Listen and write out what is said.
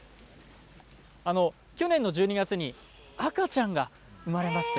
去年の１２月に赤ちゃんが生まれました。